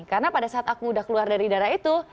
karena pada saat aku udah keluar dari daerah itu